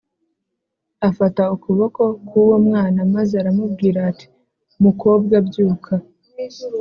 Afata ukuboko k’ uwo mwana maze aramubwira ati mukobwa byuka